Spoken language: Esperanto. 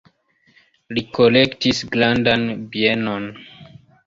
Li kolektis grandan bienon.